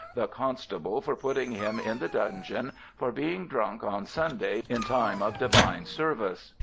the Constable for putting him in the Dungeon for being drunk on Sunday in time of divine Service